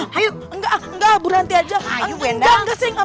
hayuk enggak enggak bu ranti aja